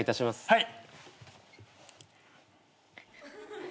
はい。